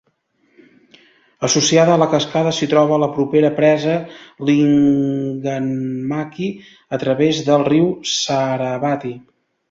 Associada a la cascada s'hi troba la propera presa Linganmakki, a través del riu Sharavathi.